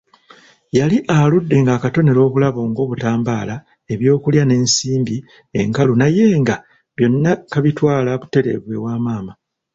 Yali aludde ng'akatonera obulabo ng'obutambaala, ebyokulya n'ensimbi enkalu naye nga byonna kabitwala butereevu ewa maama.